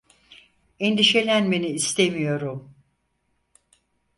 Endişelenmeni istemiyorum.